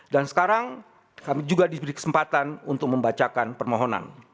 dan sekarang kami juga diberi kesempatan untuk membacakan permohonan